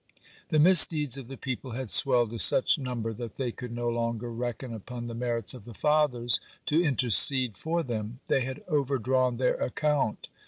(23) The misdeeds of the people had swelled to such number that they could no longer reckon upon "the merits of the fathers" to intercede for them; they had overdrawn their account.